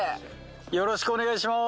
よろしくお願いします。